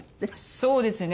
そうですね。